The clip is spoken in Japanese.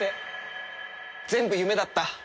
全部夢だった。